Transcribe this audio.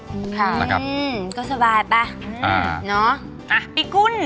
อื้อค่ะก็สบายป่ะน้อปีกุ้น